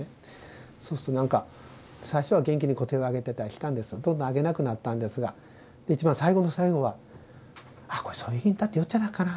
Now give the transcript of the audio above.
そうすると何か最初は元気に手を上げてたりしたんですがどんどん上げなくなったんですが一番最期の最期は「あっこれそいぎんたって言よんじゃないかな？」